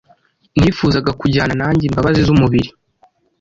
Nifuzaga kujyana nanjye imbabazi z'umubiri.